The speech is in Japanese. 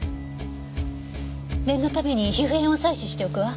念のために皮膚片を採取しておくわ。